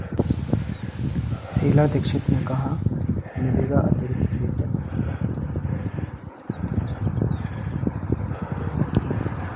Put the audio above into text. शीला दीक्षित ने कहा, मिलेगा अतिरिक्त वेतन